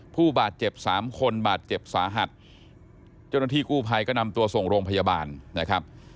ผู้บาดเจ็บสามคนบาดเจ็บสาหัสเจ้าหน้าที่กู้ภัยก็นำตัวส่งโรงพยาบาลนะครับ